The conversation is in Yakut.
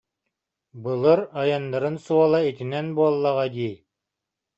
Былыр айаннарын суола итинэн буоллаҕа дии»